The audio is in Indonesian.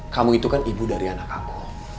kamu itu kan ibu dari anak aku